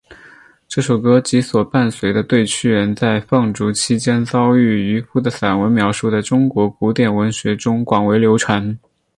这首歌及所伴随的对屈原在放逐期间遭遇渔父的散文描述在中国古典文学中广为流传。